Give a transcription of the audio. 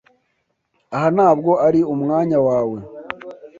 Aha ntabwo ari umwanya wawe.